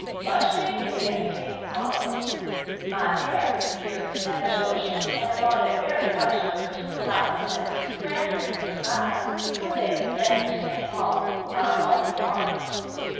Much picnicking and picking followed. My parents secured seven bushel and alloted very much on the winter supplies that these cranberries would buy when they could send them to St. Paul, our only market.